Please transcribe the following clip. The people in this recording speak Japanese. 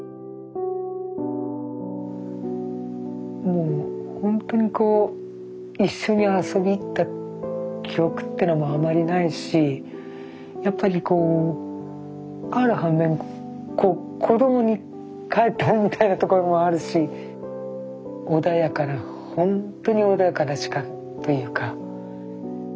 もうほんとに一緒に遊び行った記憶ってのもあまりないしやっぱりある反面子供に帰ったみたいなところもあるし穏やかなほんとに穏やかな時間というか。